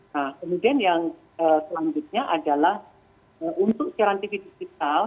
nah kemudian yang selanjutnya adalah untuk siaran tv digital